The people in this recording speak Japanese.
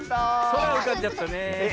そらうかんじゃったねえ。